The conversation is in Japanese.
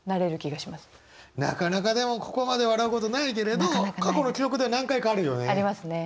なかなかでもここまで笑うことないけれど過去の記憶では何回かあるよね。ありますね。